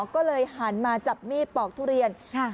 ก็เลยหันมาจับมีดปอกทุเรียน